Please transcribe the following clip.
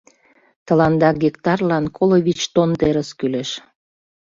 Тыланда гектарлан коло вич тонн терыс кӱлеш.